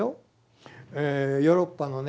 ヨーロッパのね